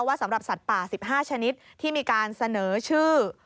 สำหรับสัตว์ป่า๑๕ชนิดที่มีการเสนอชื่อ